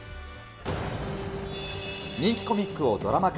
人気コミックをドラマ化。